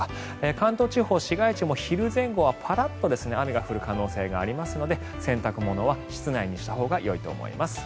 関東地方、市街地も昼前後はパラッと雨が降る可能性がありますので洗濯物は室内にしたほうがいいと思います。